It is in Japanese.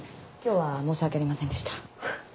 今日は申し訳ありませんでした。